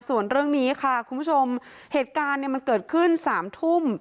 ส่วนเรื่องนี้ค่ะคุณผู้ชมเหตุการณ์เนี่ยมันเกิดขึ้น๓ทุ่ม